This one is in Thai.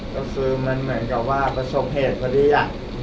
ก็คือมันเหมือนกับว่าประสบเหตุพอดี